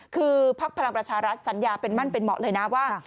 คือพักพลังประชารัฐสัญญาเป็นมั่นเป็นเหมาะเลยนะว่า